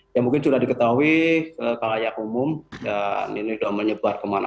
yang mungkin sudah diketahui ke layak umum dan ini sudah menyebar kembali